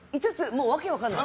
もう訳分からない。